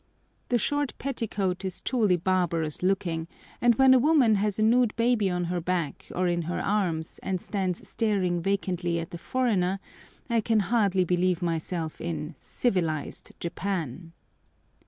The short petticoat is truly barbarous looking, and when a woman has a nude baby on her back or in her arms, and stands staring vacantly at the foreigner, I can hardly believe myself in "civilised" Japan.